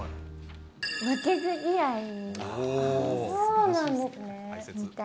負けず嫌い。